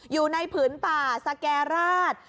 อยู่ในผืนป่าสแก่ราช